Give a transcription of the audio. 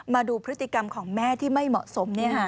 มาดูพฤติกรรมของแม่ที่ไม่เหมาะสม